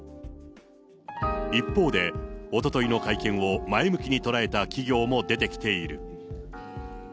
一方で、おとといの会見を前向きに捉えた企業も出てきている。